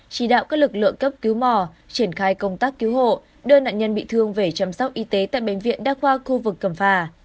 chỉ đạo các lực lượng cấp cứu mò triển khai công tác cứu hộ đưa nạn nhân bị thương về chăm sóc y tế tại bệnh viện đa khoa khu vực cẩm phà